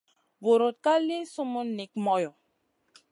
Vuruta ka li summun nik moyo.